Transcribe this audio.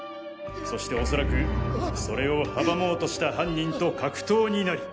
そしておそらくそれを阻もうとした犯人と格闘になり。